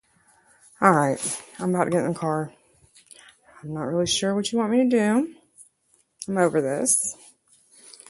The chapters of the book are written by individual specialists in these fields.